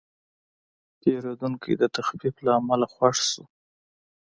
پیرودونکی د تخفیف له امله خوښ شو.